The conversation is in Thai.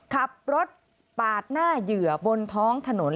ขับรถปาดหน้าเหยื่อบนท้องถนน